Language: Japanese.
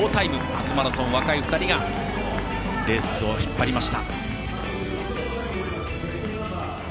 初マラソン、若い２人がレースを引っ張りました。